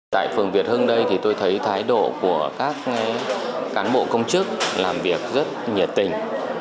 tại phường việt hưng đây thì tôi thấy thái độ của các cán bộ công chức làm việc rất nhiệt tình